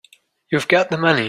You've got the money.